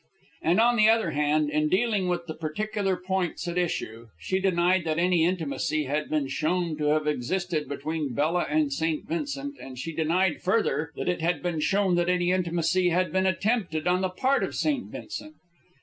And, on the other hand, in dealing with the particular points at issue, she denied that any intimacy had been shown to have existed between Bella and St. Vincent; and she denied, further, that it had been shown that any intimacy had been attempted on the part of St. Vincent.